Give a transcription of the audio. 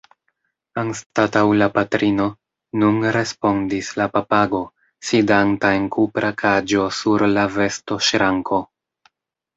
Anstataŭ la patrino, nun respondis la papago, sidanta en kupra kaĝo sur la vestoŝranko.